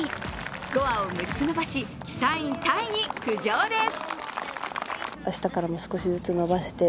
スコアを６つ伸ばし、３位タイに浮上です。